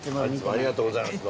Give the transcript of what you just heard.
ありがとうございます。